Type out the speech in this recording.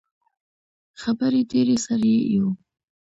خبرې ډیرې، سر یی یو